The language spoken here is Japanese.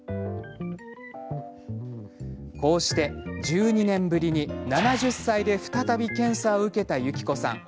こうして１２年ぶりに７０歳で再び検査を受けた、ゆきこさん。